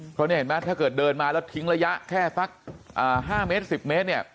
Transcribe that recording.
เพราะนี่เห็นไหมถ้าเกิดเดินมาแล้วทิ้งระยะแค่สัก๕เมตร๑๐เมตรเนี่ย